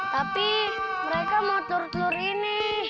tapi mereka mau tur door ini